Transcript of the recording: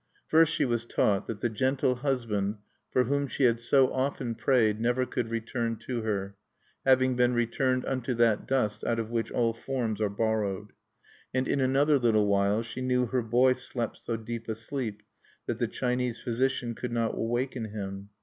First she was taught that the gentle husband for whom she had so often prayed never could return to her, having been returned unto that dust out of which all forms are borrowed. And in another little while she knew her boy slept so deep a sleep that the Chinese physician could not waken him.